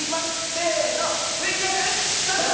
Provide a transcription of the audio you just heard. せーの、ＶＴＲスタート！